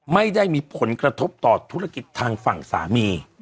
ไม่ได้มีผลกระทบต่อธุรกิจทางฝั่งสามี